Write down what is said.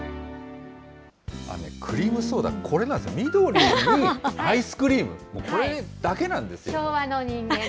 クリームソーダ、これなんですよ、緑にアイスクリーム、もう昭和の人間。